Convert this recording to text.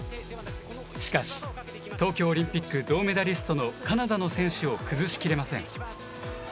しかし、東京オリンピック銅メダリストのカナダの選手を崩しきれません。